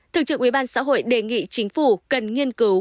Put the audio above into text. thường trực ubnd đề nghị chính phủ cần nghiên cứu